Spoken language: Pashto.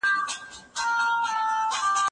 حلیم سلیمی محمد اسماعیل ذاهد